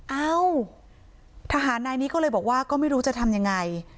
เอ้าทหารนายนี้ก็เลยบอกว่าก็ไม่รู้จะทำยังไง